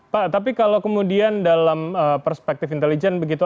pak tapi kalau kemudian dalam perspektif intelijen begitu